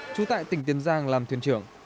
trú tại tỉnh tiền giang làm thuyền trưởng